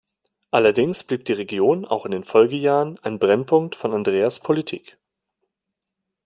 Allerdings blieb die Region auch in den Folgejahren ein Brennpunkt von Andreas' Politik.